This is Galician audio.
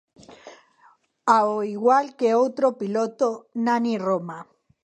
Ao igual que outro piloto, Nani Roma.